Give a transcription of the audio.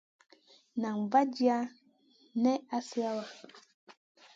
Nan vaadia nen asa lawa.